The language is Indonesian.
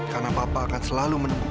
karena papa akan selalu menemukanmu